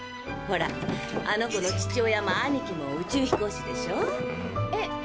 ほらあの子の父親も兄貴も宇宙飛行士でしょ。え？